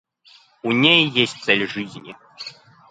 У ней есть цель жизни.